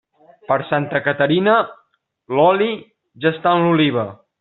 Per Santa Caterina, l'oli ja està en l'oliva.